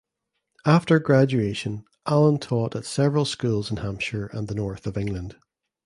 After graduation Allen taught at several schools in Hampshire and the north of England.